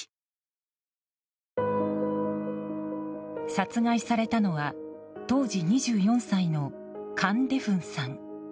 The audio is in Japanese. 殺害されたのは当時２４歳のカン・デフンさん。